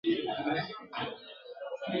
راغی جهاني خدای او اولس لره منظور مشر !.